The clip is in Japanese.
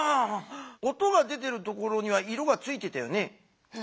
音が出ているところには色がついてたよね。